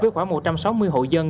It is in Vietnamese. với khoảng một trăm sáu mươi hộ dân